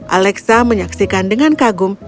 alexa menyaksikan dengan kagum